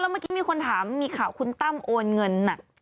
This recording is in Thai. เมื่อกี้มีคนถามมีข่าวคุณตั้มโอนเงิน